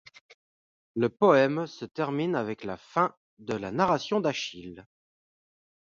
Le poème se termine avec la fin de la narration d'Achille.